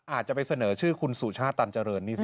อาจจะไปเสนอชื่อคุณสุชาติตันเจริญนี่สิ